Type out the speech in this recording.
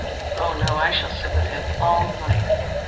"Oh, no. I shall sit with him all night."